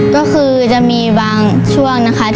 ก็คือจะมีบางช่วงนะคะ